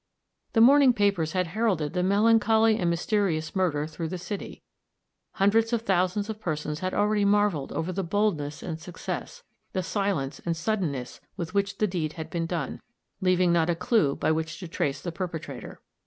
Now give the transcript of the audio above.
The morning papers had heralded the melancholy and mysterious murder through the city; hundreds of thousands of persons had already marveled over the boldness and success, the silence and suddenness with which the deed had been done, leaving not a clue by which to trace the perpetrator.